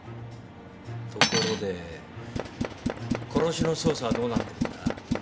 ところで殺しの捜査はどうなってるんだ？